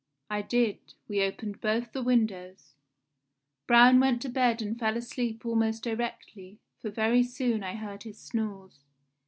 I did we opened both the windows. Braun went to bed and fell asleep almost directly, for very soon I heard his snores.